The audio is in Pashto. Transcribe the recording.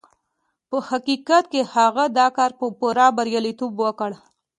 په حقيقت کې هغه دا کار په پوره برياليتوب وکړ.